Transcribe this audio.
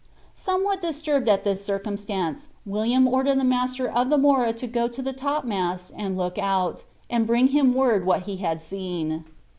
Somewhat disturbed at this circumstance, William ordered the master of the Mora to go to tlie topmast and look out, and bring him word what he had seen.